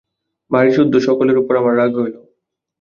বাড়িসুদ্ধ সকলের উপর আমার রাগ হইল।